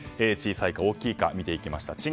小さいか大きいか見ていきました。